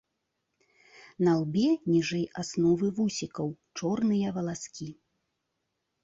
На лбе ніжэй асновы вусікаў чорныя валаскі.